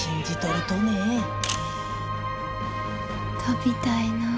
飛びたいな。